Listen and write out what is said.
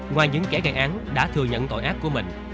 ngoài những kẻ gây án đã thừa nhận tội ác của mình